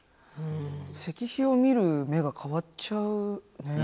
石碑を見る目が変わっちゃうね。